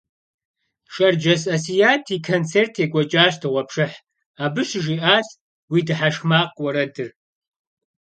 Шэрджэс Асият и концерт екӏуэкӏащ дыгъуэпшыхь, абы щыжиӏащ «Уи дыхьэшх макъ» уэрэдыр.